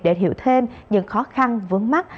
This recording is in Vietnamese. để hiểu thêm những khó khăn vướng mắt